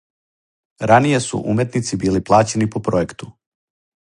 Раније су уметници били плаћани по пројекту.